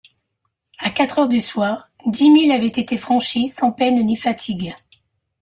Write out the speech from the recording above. À quatre heures du soir, dix milles avaient été franchis sans peine ni fatigue.